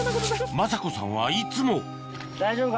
昌子さんはいつも大丈夫か？